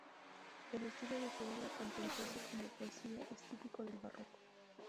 El estilo de su obra, tanto en prosa como poesía, es típico del barroco.